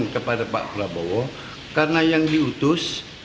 kepada pak prabowo karena yang diutus